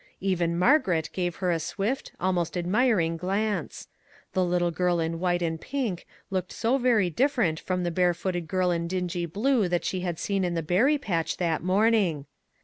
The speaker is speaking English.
Even Margaret gave her a swift, almost admiring glance; the little girl in white and pink looked so very different from the barefooted girl in dingy blue that she had seen in the berry patch that morning.